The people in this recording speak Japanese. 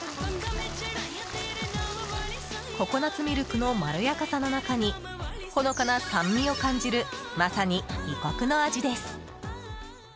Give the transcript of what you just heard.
ココナツミルクのまろやかさの中にほのかな酸味を感じるまさに異国の味です。